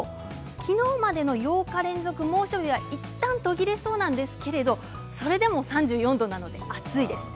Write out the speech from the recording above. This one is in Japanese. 昨日までの８日連続猛暑日はいったんとぎれそうなんですけれどもそれでも３４度なので暑いです。